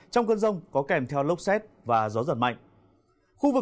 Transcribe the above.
trong cơn rông có kèm theo lốc xét và gió giật mạnh